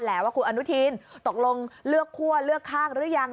ว่าคุณอนุทินตกลงเลือกคั่วเลือกข้างหรือยัง